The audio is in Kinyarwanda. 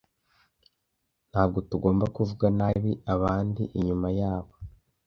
Ntabwo tugomba kuvuga nabi abandi inyuma yabo.